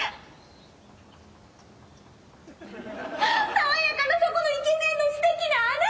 ・爽やかなそこのイケメンのすてきなあなた！